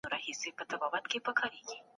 د صنايعو تقاضا څنګه وه؟